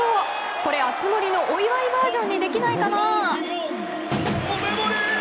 これ、熱盛のお祝いバージョンにできないかな？